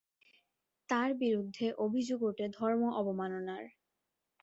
তার বিরুদ্ধে অভিযোগ ওঠে ধর্ম অবমাননার।